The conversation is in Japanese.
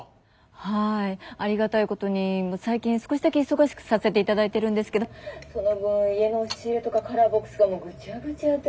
はいありがたいことに最近少しだけ忙しくさせて頂いてるんですけどその分家の押し入れとかカラーボックスがもうぐちゃぐちゃで。